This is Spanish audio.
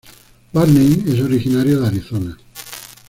Varney es originaria de Arizona.